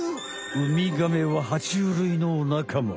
ウミガメはは虫類のなかま。